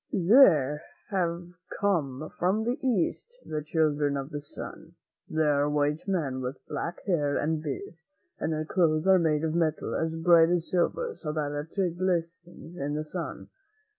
There have come from the East the Children of the Sun. They are white men, with black hair and beards, and their clothes are made of metal as bright as silver, so that it glistens in the sun.